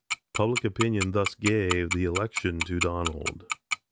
Public opinion thus gave the election to Donald.